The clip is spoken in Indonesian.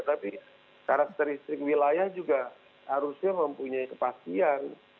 tapi karakteristik wilayah juga harusnya mempunyai kepastian